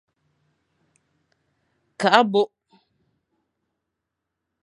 Kakh abôkh.